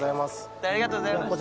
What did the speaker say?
ありがとうございます。